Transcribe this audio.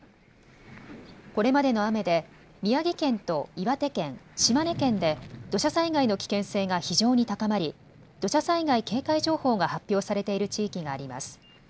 これまでの雨で宮城県と岩手県、島根県で土砂災害の危険性が非常に高まり土砂災害警戒情報が発表されている地域があります。